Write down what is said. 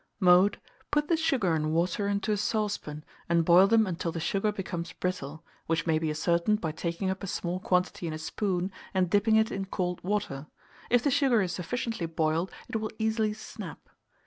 Mode. Put the sugar and water into a saucepan, and boil them until the sugar becomes brittle, which may be ascertained by taking up a small quantity in a spoon, and dipping it in cold water; if the sugar is sufficiently boiled, it will easily snap.